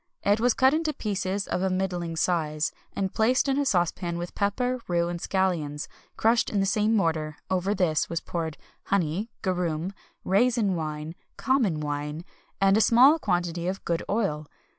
It was cut into pieces of a middling size, and placed in a saucepan with pepper, rue, and scallions, crushed in the same mortar; over this was poured honey, garum, raisin wine, common wine, and a small quantity of good oil.